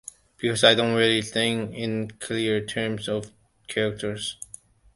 Because I don't really think in clear terms of characters.